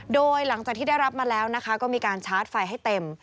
โดยหลังจากที่ได้รับมาแล้วนะคะก็มีการชาร์จไฟให้เต็ม